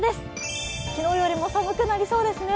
昨日よりも寒くなりそうですね。